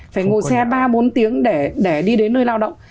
phải ngồi xe ba bốn tiếng để đi đến nơi lao động